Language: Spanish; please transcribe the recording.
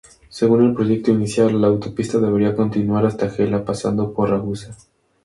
Según el proyecto inicial, la autopista debería continuar hasta Gela, pasando por Ragusa.